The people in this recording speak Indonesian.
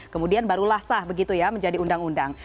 kemudian baru lasah begitu ya menjadi undang undang